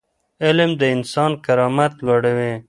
علم د انسان کرامت لوړوي.